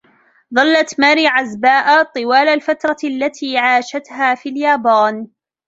ظلت ماري عزباء طوال الفترة التي عاشتها في اليابان.